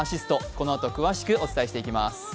このあと詳しくお伝えしてまいります。